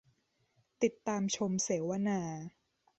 ติดตามชมเสวนา